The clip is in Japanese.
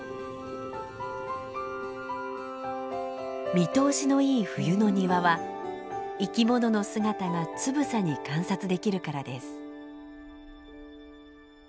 見通しのいい冬の庭は生き物の姿がつぶさに観察できるからです。